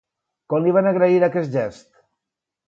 Com li van agrair aquest gest?